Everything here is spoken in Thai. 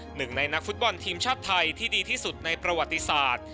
หนึ่งในนักฟุตบอลทีมชาติไทยที่ดีที่สุดในประวัติศาสตร์